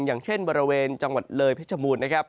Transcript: อย่างเช่นบริเวณจังหวัดเลยเพชรบูรณ์นะครับ